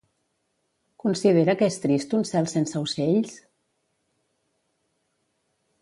Considera que és trist un cel sense ocells?